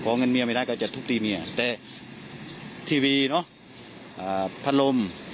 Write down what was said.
เงินเมียไม่ได้ก็จะทุบตีเมียแต่ทีวีเนอะพัดลม